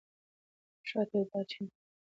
د شات او دارچیني ترکیب د وزن په کمولو کې مرسته کوي.